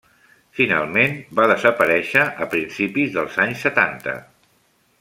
Finalment, va desaparèixer a principis dels anys setanta.